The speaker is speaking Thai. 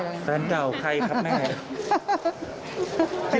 แฟนเก่าใครครับแม่